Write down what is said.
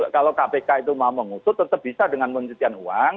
kalau kpk itu mau mengusut tetap bisa dengan pencucian uang